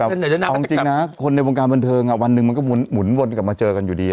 อ้างนึงคนในวงการบรรเทิงวันนึงมันก็หมุนวนกลับจะมาเจอกันอยู่ดี